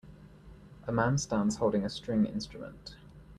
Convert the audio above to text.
A man stands holding a string instrument.